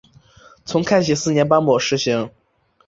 从开禧四年颁布施行。